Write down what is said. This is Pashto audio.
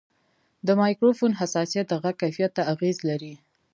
د مایکروفون حساسیت د غږ کیفیت ته اغېز لري.